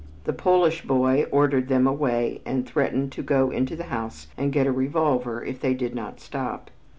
The Polish boy ordered them away and threatened to go into the house and get a revolver if they did not stop.